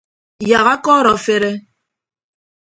Yak akọọrọ afere.